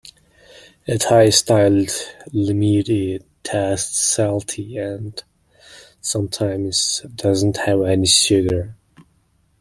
A Thai-styled limeade tastes salty, and sometimes does not have any sugar.